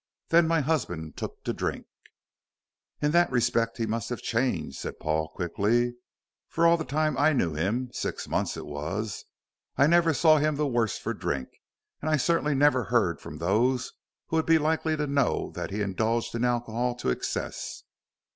Then my husband took to drink." "In that respect he must have changed," said Paul, quickly, "for all the time I knew him six months it was I never saw him the worse for drink, and I certainly never heard from those who would be likely to know that he indulged in alcohol to excess.